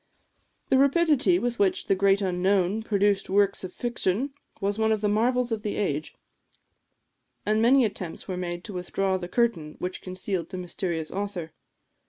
The rapidity with which the "Great Unknown" produced works of fiction, was one of the marvels of the age; and many attempts were made to withdraw the curtain which concealed the mysterious author.